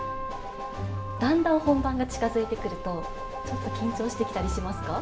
だんだん本番が近づいてくると、ちょっと緊張してきたりしますか？